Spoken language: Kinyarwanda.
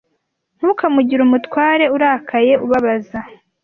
ntukamugire umutware urakaye ubabaza